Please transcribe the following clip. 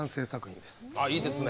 いいですね。